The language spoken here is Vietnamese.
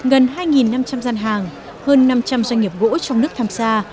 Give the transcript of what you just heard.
gần hai năm trăm linh gian hàng hơn năm trăm linh doanh nghiệp gỗ trong nước tham gia